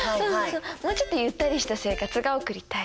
もうちょっとゆったりした生活が送りたい。